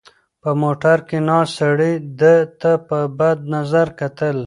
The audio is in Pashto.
په موټر کې ناست سړي ده ته په بد نظر کتل.